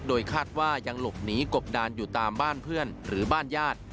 โดยคาดว่ายังหลบหนีกบดานอยู่ตามบ้านเพื่อนหรือบ้านญาติ